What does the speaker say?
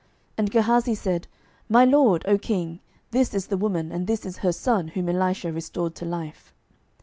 And Gehazi said, My lord, O king, this is the woman, and this is her son, whom Elisha restored to life.